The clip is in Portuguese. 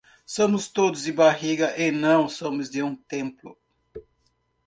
Somos todos de barriga e não somos de um "templo".